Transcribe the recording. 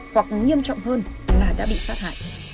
hoặc nghiêm trọng hơn là đã bị sát hại